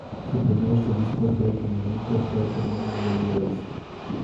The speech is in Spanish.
Su primer arzobispo fue el dominico fray Jerónimo de Loayza.